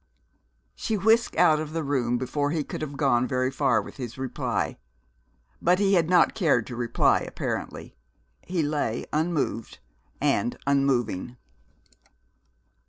She whisked out of the room before he could have gone very far with his reply. But he had not cared to reply, apparently. He lay unmoved and unmoving.